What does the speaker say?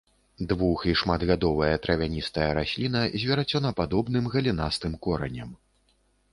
Двух- і шматгадовая травяністая расліна з верацёнападобным, галінастым коранем.